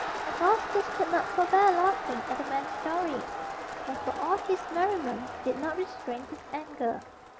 Augustus could not forbear laughing at the man's story; but, for all his merriment, did not restrain his anger.